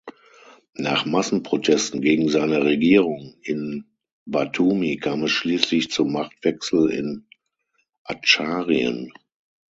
Nach Massenprotesten gegen seine Regierung in Batumi kam es schließlich zum Machtwechsel in Adscharien.